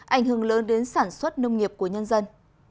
ảnh hưởng lớn đến sản xuất nông nghiệp của nhân dân